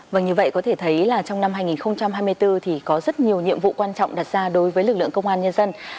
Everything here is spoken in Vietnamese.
vâng như vậy có thể thấy là trong năm hai nghìn hai mươi bốn thì có rất nhiều nhiệm vụ quan trọng đặt ra đối với lực lượng công an nhân dân